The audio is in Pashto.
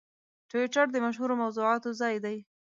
ټویټر د مشهورو موضوعاتو ځای دی.